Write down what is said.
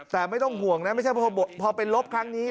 แต่ไม่ต้องห่วงนะไม่ใช่พอเป็นลบครั้งนี้